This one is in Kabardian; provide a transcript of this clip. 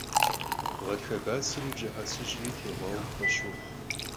Ğatxe batseri bjıhe tsıjri têğuaue pxueş vuxhu.